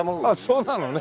そうなのね。